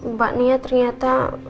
mbak nia ternyata